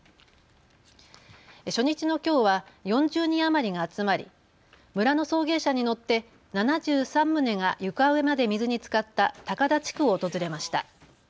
初日のきょうは４０人余りが集まり、村の送迎車に乗って７３棟が床上まで水につかった高田地区を訪れました。